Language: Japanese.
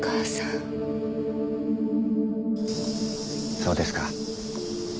そうですか。